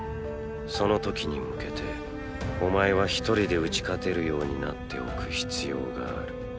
その時に向けてお前はひとりで打ち勝てるようになっておく必要がある。